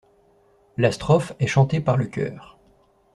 La strophe est chantée par le chœur.